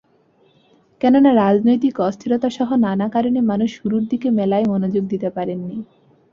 কেননা রাজনৈতিক অস্থিরতাসহ নানা কারণে মানুষ শুরুর দিকে মেলায় মনোযোগ দিতে পারেননি।